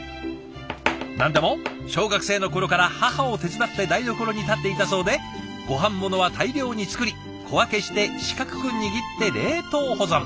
何でも小学生の頃から母を手伝って台所に立っていたそうでごはんものは大量に作り小分けして四角く握って冷凍保存。